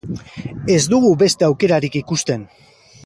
Ez dugu beste aukerarik ikusten.